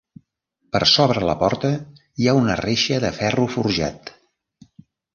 Per sobre la porta hi ha una reixa de ferro forjat.